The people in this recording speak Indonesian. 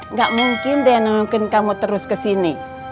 nggak mungkin deh mungkin kamu terus kesini